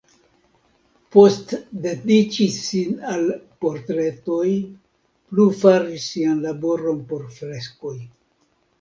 Post dediĉi sin al portretoj plu faris sian laboron por freskoj.